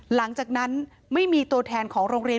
หลังจากนั้นไม่มีตัวแทนของโรงเรียน